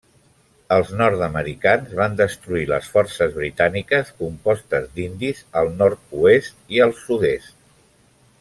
Els nord-americans van destruir les forces britàniques compostes d'indis al nord-oest i el sud-est.